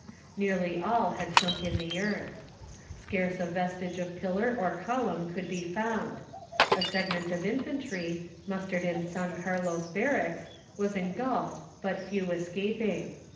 Nearly all had sunk in the earth. Scarce a vestige of pillar or column could be found. A regiment of infantry, mustered in San Carlos barracks, was engulfed, but few escaping.